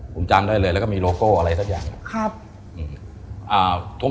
ผมจำได้เลยแล้วก็มีโลโก้อะไรสักอย่างครับ